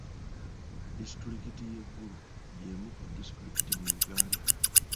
Disitulikiti y'e Gulu y'emu ku disitulikiti mu Uganda.